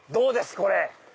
これ。